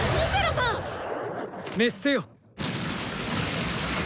滅せよ！